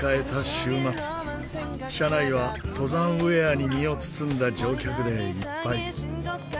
週末車内は登山ウェアに身を包んだ乗客でいっぱい。